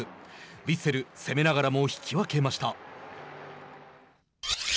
ヴィッセル、攻めながらも引き分けました。